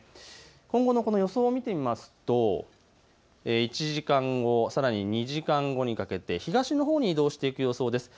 今後の予想を見てみますと１時間後、さらに２時間後にかけて東のほうに移動していく予想です。